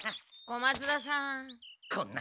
小松田さん？